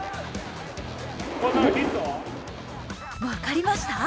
分かりました？